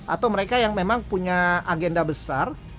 atau mereka yang memang punya agenda besar